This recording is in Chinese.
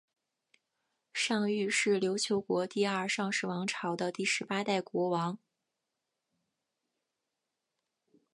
尚育是琉球国第二尚氏王朝的第十八代国王。